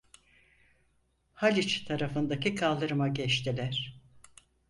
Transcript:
Haliç tarafındaki kaldırıma geçtiler.